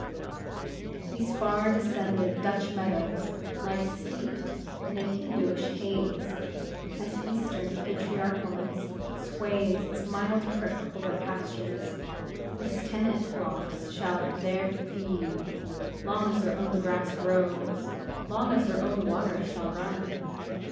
These far descended Dutch meadows lie steeped in a Hindooish haze; an eastern patriarchalness sways its mild crook over pastures, whose tenant flocks shall there feed, long as their own grass grows, long as their own water shall run.